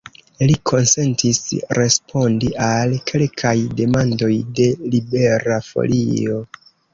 Li konsentis respondi al kelkaj demandoj de Libera Folio.